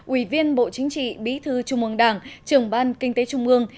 ủy viên bộ chính trị bí thư trung mương đảng trưởng ban kinh tế trung mương